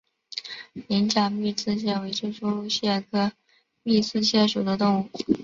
羚角密刺蟹为蜘蛛蟹科密刺蟹属的动物。